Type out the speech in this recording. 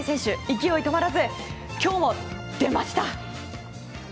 勢い止まらず今日も出ました。